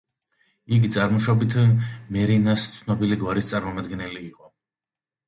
იგი წარმოშობით მერინას ცნობილი გვარის წარმომადგენელი იყო.